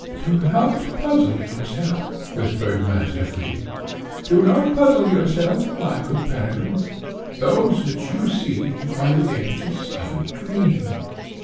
"Do not puzzle yourself," whispered Master Flea, "do not puzzle yourself, my good Peregrine; those which you see, are the images of a dream.